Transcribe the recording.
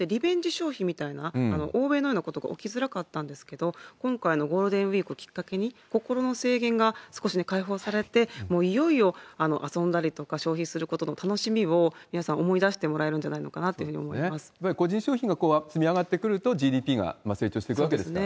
消費みたいな、欧米のようなことが起きづらかったんですけれども、今回のゴールデンウィークをきっかけに、心の制限が少し解放されて、もういよいよ、遊んだりとか消費することの楽しみを、皆さん思い出してもらえる個人消費が積み上がってくると、ＧＤＰが成長していくわけですからね。